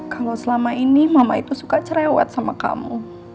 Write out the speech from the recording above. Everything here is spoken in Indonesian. kalau selama ini mama itu suka cerewet sama kamu